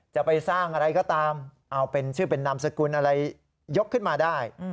จะไปสร้างอะไรก็ตามเอาเป็นชื่อเป็นนามสกุลอะไรยกขึ้นมาได้